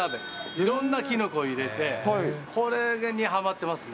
いろんなキノコ入れて、これにはまってますね。